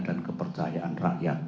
dan kepercayaan rakyat